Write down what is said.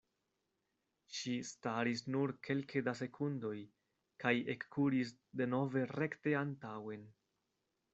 Ŝi staris nur kelke da sekundoj kaj ekkuris denove rekte antaŭen.